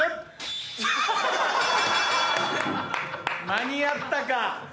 間に合ったか？